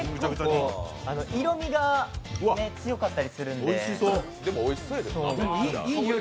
色みが強かったりするんで。